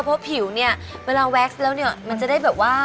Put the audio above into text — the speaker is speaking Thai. เพราะผิวเนี่ยเวลาแก๊กซ์แล้วเนี่ยมันจะได้แบบว่า